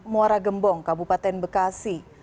muara gembong kabupaten bekasi